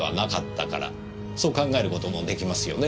そう考える事もできますよねぇ。